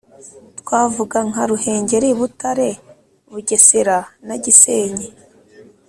twavuga nka ruhengeri, butare, bugesera, na gisenyi.